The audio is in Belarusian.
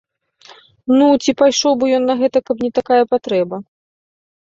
Ну, ці пайшоў бы ён на гэта, каб не такая патрэба?